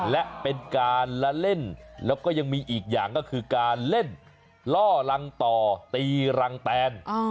และเป็นการละเล่นแล้วก็ยังมีอีกอย่างก็คือการเล่นล่อรังต่อตีรังแตน